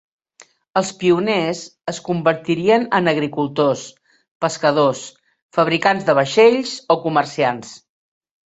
Els pioners es convertirien en agricultors, pescadors, fabricants de vaixells o comerciants.